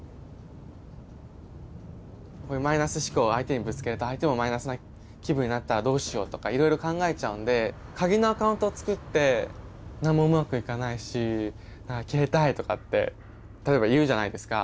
こういうマイナス思考を相手にぶつけると相手もマイナスな気分になったらどうしようとかいろいろ考えちゃうんで鍵のアカウントを作って「何もうまくいかないし消えたい」とかって例えば言うじゃないですか。